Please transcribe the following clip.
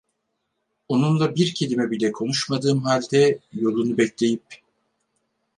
Onunla bir kelime bile konuşmadığım halde, yolunu bekleyip.